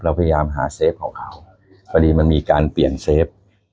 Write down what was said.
พยายามหาเซฟของเขาพอดีมันมีการเปลี่ยนเซฟ